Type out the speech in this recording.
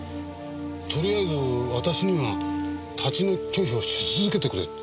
とりあえず私には立ち退き拒否をし続けてくれと。